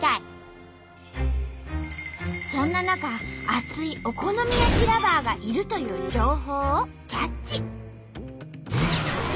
そんな中熱いお好み焼きＬｏｖｅｒがいるという情報をキャッチ！